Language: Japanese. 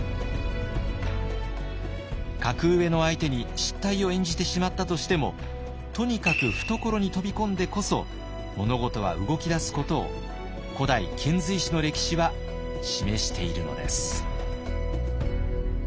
格上の相手に失態を演じてしまったとしてもとにかく懐に飛び込んでこそ物事は動き出すことを古代遣隋使の歴史は示しているのです。